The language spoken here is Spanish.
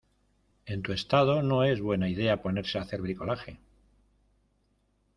en tu estado no es buena idea ponerse a hacer bricolaje.